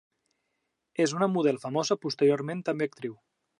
És una model famosa i posteriorment també actriu.